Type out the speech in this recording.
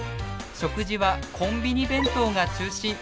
食事はコンビニ弁当が中心。